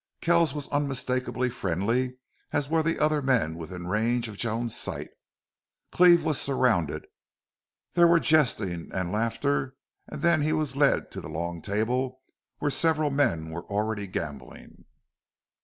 Kells was unmistakably friendly, as were the other men within range of Joan's sight. Cleve was surrounded; there were jesting and laughter; and then he was led to the long table where several men were already gambling.